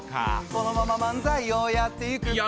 このまま漫才をやっていく。